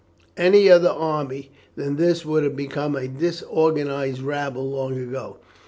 Any other army than this would have become a disorganized rabble long ago.